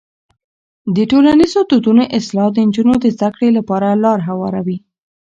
د ټولنیزو دودونو اصلاح د نجونو د زده کړې لپاره لاره هواروي.